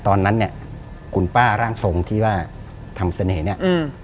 ตอนนั้นเนี่ยคุณป้าร่างทรงที่ว่าทำเสน่ห์เนี่ยอืม